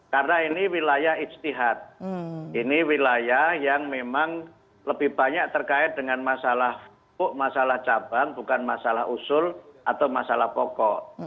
karena ini wilayah istihad ini wilayah yang memang lebih banyak terkait dengan masalah buku masalah cabang bukan masalah usul atau masalah pokok